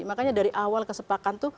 makanya dari awal kesepakatan itu